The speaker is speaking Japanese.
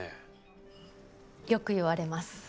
よく言われます。